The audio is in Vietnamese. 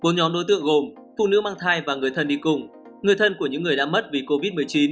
bốn nhóm đối tượng gồm phụ nữ mang thai và người thân đi cùng người thân của những người đã mất vì covid một mươi chín